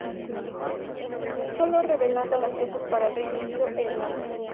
Solo revelando las fechas para el Reino Unido e Irlanda.